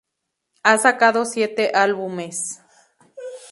Ha sacado siete álbumes.